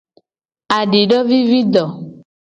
Adidovivido.